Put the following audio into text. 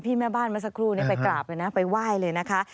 พี่แม่บ้านมาสักครู่ไปกราบไปไหว้เลยนะคะ